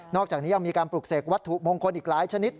อกจากนี้ยังมีการปลูกเสกวัตถุมงคลอีกหลายชนิด